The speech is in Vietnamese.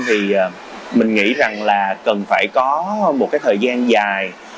thì mình nghĩ rằng là cần phải có một cái thời gian dài